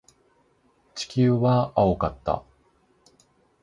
地球は青かった。